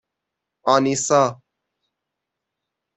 آنیسا